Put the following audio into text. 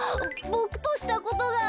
ボクとしたことが。